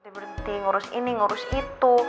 berhenti ngurus ini ngurus itu